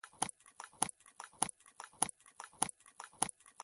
افغانستان د سنگ مرمر کوربه دی.